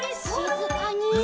しずかに。